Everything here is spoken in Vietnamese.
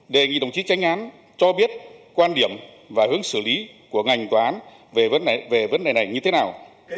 đề nghị đồng chí tranh án cho biết quan điểm và hướng xử lý của ngành tòa án về vấn đề này như thế nào